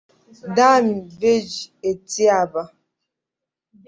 Dame Virgy Etiaba